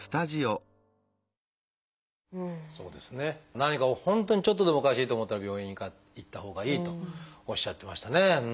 何か本当にちょっとでもおかしいと思ったら病院に行ったほうがいいとおっしゃってましたね。